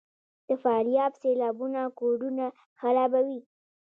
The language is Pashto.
د فاریاب سیلابونه کورونه خرابوي؟